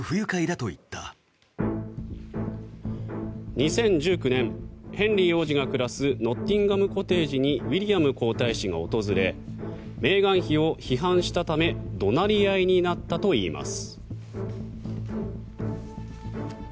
２０１９年ヘンリー王子が暮らすノッティンガム・コテージにウィリアム皇太子が訪れメーガン妃を批判したため怒鳴り合いになったといいます。